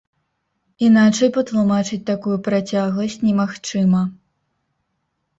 Іначай патлумачыць такую працягласць немагчыма.